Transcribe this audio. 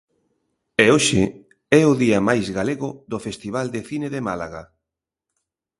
E hoxe é o día máis galego do Festival de Cine de Málaga.